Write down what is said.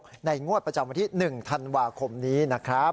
ในงวดประจำวันที่๑ธันวาคมนี้นะครับ